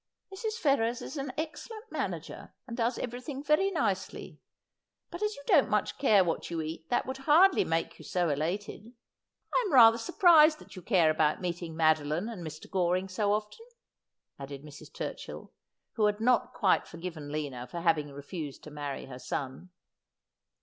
' Mrs. Ferrers is an excellent manager, and does everything very nicely ; but as you don't much care what you eat that would hardly make you so elated. I am rather surprised that you care about meeting Madoline and Mr. Goring so often,' added Mrs. Turchill, who had not quite forgiven Lina for having refused to marry her son.